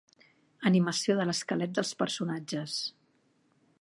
Animació de l'esquelet dels personatges.